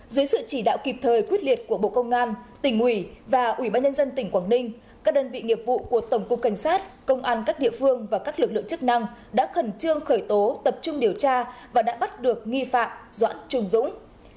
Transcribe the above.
dưới sự chỉ đạo kịp thời quyết liệt của bộ công an tỉnh ủy và ủy ban nhân dân tỉnh quảng ninh các đơn vị nghiệp vụ của tổng cục cảnh sát công an các địa phương và các lực lượng chức năng đã khẩn trương khởi tố tập trung điều tra và đã bắt được nghi phạm doãn trùng dũng